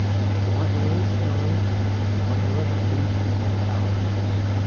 watu weusi na weupe wangeweza kuishi kwa usawa